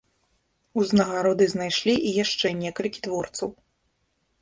Узнагароды знайшлі і яшчэ некалькі творцаў.